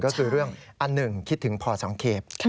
ก็คือเรื่องอันหนึ่งคิดถึงพอสังเกต